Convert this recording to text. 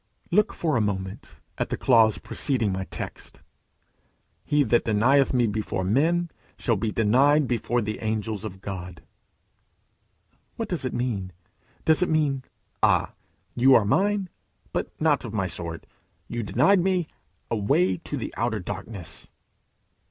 Look for a moment at the clause preceding my text: "He that denieth me before men shall be denied before the angels of God." What does it mean? Does it mean "Ah! you are mine, but not of my sort. You denied me. Away to the outer darkness"?